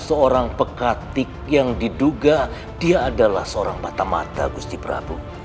seorang pekatik yang diduga dia adalah seorang patah mata gusti prabu